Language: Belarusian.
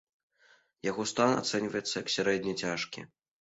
Яго стан ацэньваецца як сярэдне цяжкі.